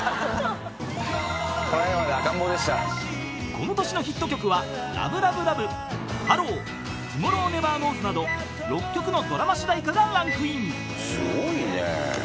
［この年のヒット曲は『ＬＯＶＥＬＯＶＥＬＯＶＥ』『ＨＥＬＬＯ』『Ｔｏｍｏｒｒｏｗｎｅｖｅｒｋｎｏｗｓ』など６曲のドラマ主題歌がランクイン］